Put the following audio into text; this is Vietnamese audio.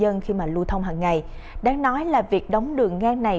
do cư dân khi mà lưu thông hằng ngày đáng nói là việc đóng đường ngang này